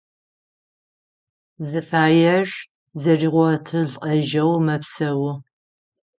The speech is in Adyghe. Зыфаер зэригъотылӏэжьэу мэпсэу.